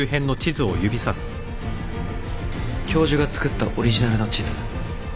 教授が作ったオリジナルの地図知ってるよね。